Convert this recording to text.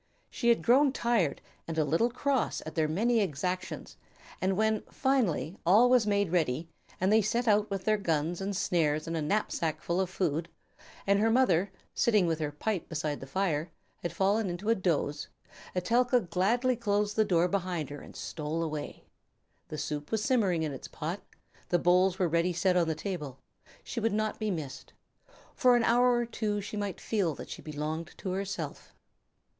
She had grown tired and a little cross at their many exactions, and when, finally, all was made ready, and they set out with their guns and snares and a knapsack full of food, and her mother, sitting with her pipe beside the fire, had fallen into a doze, Etelka gladly closed the door behind her and stole away. The soup was simmering in its pot, the bowls were ready set on the table. She would not be missed. For an hour or two she might feel that she belonged to herself.